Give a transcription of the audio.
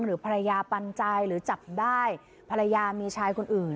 หรือภรรยาปันใจหรือจับได้ภรรยามีชายคนอื่น